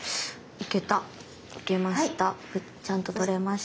行けました。